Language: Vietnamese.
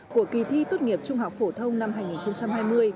của kỳ thi tốt nghiệp trung học phổ thông năm hai nghìn hai mươi